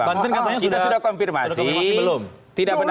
kita sudah konfirmasi